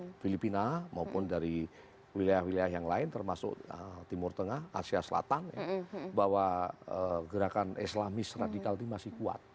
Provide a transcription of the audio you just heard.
di filipina maupun dari wilayah wilayah yang lain termasuk timur tengah asia selatan bahwa gerakan islamis radikal ini masih kuat